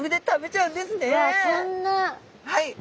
はい。